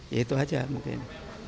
ya itu aja mungkin